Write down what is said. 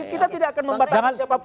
kita tidak akan membatasi siapapun